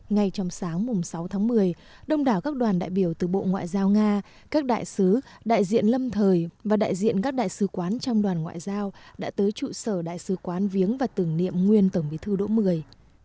ngay trong sáng sáu tháng một mươi đông đảo các đoàn đại biểu từ bộ ngoại giao nga các đại sứ đại diện lâm thời và đại diện các đại sứ quán trong đoàn ngoại giao đã tới trụ sở đại sứ quán viếng và tưởng niệm nguyên tổng bí thư đỗ mười